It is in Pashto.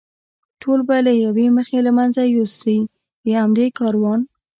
ټول به له یوې مخې له منځه یوسي، د همدې کاروان.